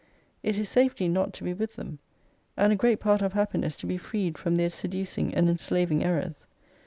It is safety not to be with them : and a great part of Happiness to be freed from their seducing and enslav ing errors.